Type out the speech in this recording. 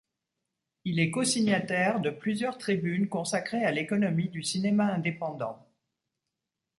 Il est co-signataire de plusieurs tribunes consacrées à l'économie du cinéma indépendant.